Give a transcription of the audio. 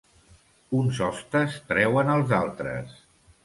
Uns hostes treuen els altres.